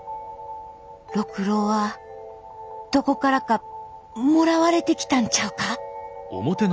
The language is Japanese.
六郎はどこからかもらわれてきたんちゃうか！？